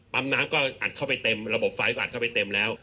น้ำก็อัดเข้าไปเต็มระบบไฟอัดเข้าไปเต็มแล้ว